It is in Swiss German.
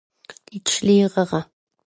Ditschlehrere